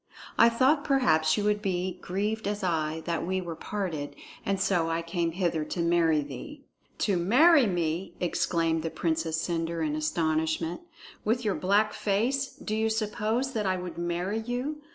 I thought perhaps you would be grieved as I that we were parted, and so I came hither to marry thee." "To marry me!" exclaimed the Princess Cendre in astonishment. "With your black face, do you suppose that I would marry you?